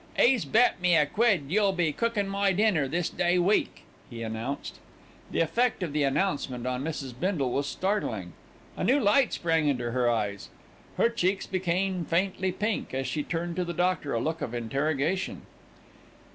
"'E's bet me a quid you'll be cookin' my dinner this day week," he announced. The effect of the announcement on Mrs. Bindle was startling. A new light sprang into her eyes, her cheeks became faintly pink as she turned to the doctor a look of interrogation.